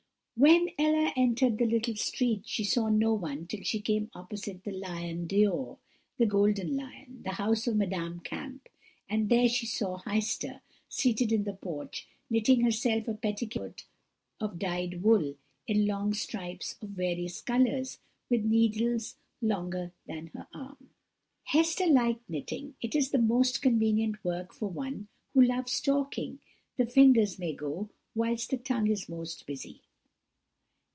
"When Ella entered the little street, she saw no one till she came opposite the Lion d'Or, or Golden Lion, the house of Madame Kamp, and there she saw Heister, seated in the porch, knitting herself a petticoat of dyed wool in long stripes of various colours, with needles longer than her arm. "Heister liked knitting it is the most convenient work for one who loves talking; the fingers may go whilst the tongue is most busy.